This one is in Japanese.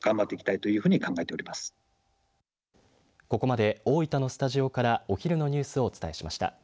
ここまで大分のスタジオからお昼のニュースをお伝えしました。